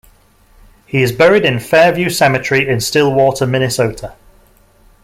He is buried in Fairview Cemetery in Stillwater, Minnesota.